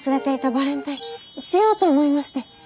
バレンタインしようと思いまして。